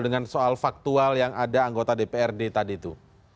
dengan soal faktual yang ada anggota dprd tadi itu